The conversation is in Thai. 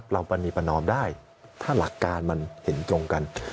ปรณีประนอมได้ถ้าหลักการมันเห็นตรงกัน